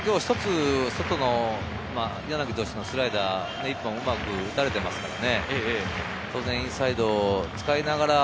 一つ外の柳投手のスライダー、一本をうまく打たれてますけどね。